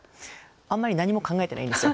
あんまり何も考えてないんですよ。